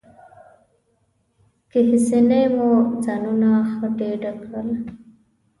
ګهیځنۍ مو ځانونه ښه ډېډه کړل.